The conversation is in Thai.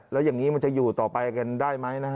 แล้วอย่างนี้มันจะอยู่ต่อไปกันได้ไหมนะฮะ